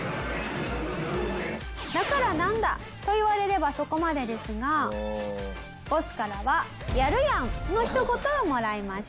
だからなんだ？と言われればそこまでですがボスからは「やるやん」のひと言をもらいました。